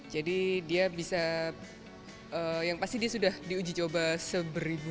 jadi dia bisa yang pasti dia sudah diuji coba seberibu